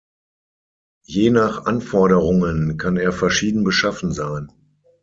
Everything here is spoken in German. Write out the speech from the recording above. Je nach Anforderungen kann er verschieden beschaffen sein.